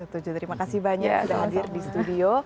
terima kasih banyak sudah hadir di studio